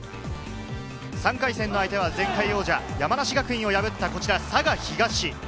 ３回戦の相手は前回王者・山梨学院を破った佐賀東。